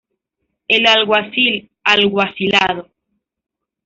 El alguacil alguacilado